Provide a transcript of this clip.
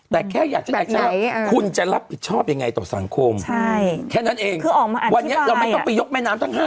แต่แค่อยากจะใช้ว่าคุณจะรับผิดชอบยังไงต่อสังคมแค่นั้นเองคือออกมาวันนี้เราไม่ต้องไปยกแม่น้ำทั้ง๕